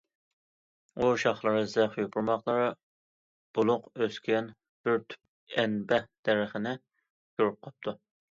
ئۇ شاخلىرى زىچ، يوپۇرماقلىرى بولۇق ئۆسكەن بىر تۈپ ئەنبەھ دەرىخىنى كۆرۈپ قاپتۇ.